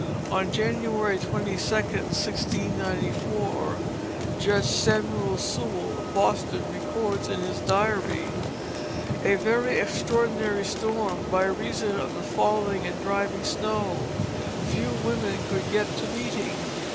On January 22, 1694, Judge Samuel Sewall, of Boston, records in his diary: "A very extraordinary Storm by reason of the falling and driving of Snow. Few women could get to Meeting.